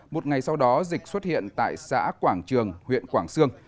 một ngày sau đó dịch xuất hiện tại xã quảng trường huyện quảng sương